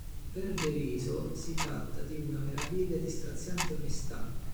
Per DeRiso si tratta di "una meraviglia di straziante onestà".